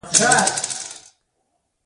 بزګان د افغانستان د جغرافیې بېلګه ده.